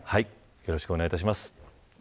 よろしくお願いします。